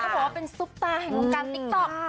บอกว่าเป็นซุปตาแห่งวงการติ๊กต๊อก